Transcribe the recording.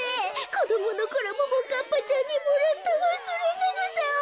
こどものころももかっぱちゃんにもらったワスレナグサを。